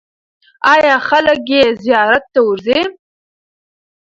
آیا خلک یې زیارت ته ورځي؟